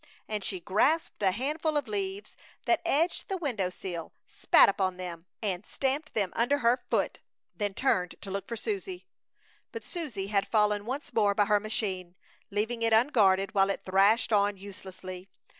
And she grasped a handful of leaves that edged the window sill, spat upon them, and stamped them under her foot, then turned to look for Susie. But Susie had fallen once more by her machine, leaving it unguarded while it thrashed on uselessly.